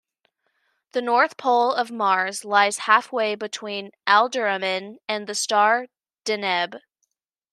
The north pole of Mars lies halfway between Alderamin and the star Deneb.